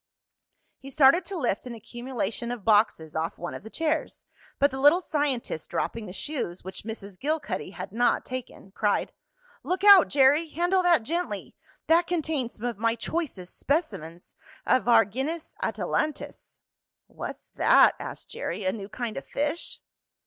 He started to lift an accumulation of boxes off one of the chairs, but the little scientist, dropping the shoes, which Mrs. Gilcuddy had not taken, cried: "Look out, Jerry! Handle that gently. That contains some of my choicest specimens of Argynnis atalantis." "What's that?" asked Jerry. "A new kind of fish?"